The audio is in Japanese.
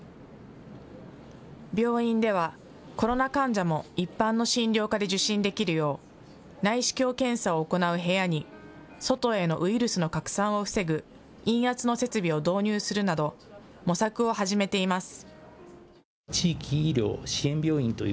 病院ではコロナ患者も一般の診療科で受診できるよう内視鏡検査を行う部屋に外へのウイルスの拡散を防ぐ陰圧の設備を導入するなど模索を始めています。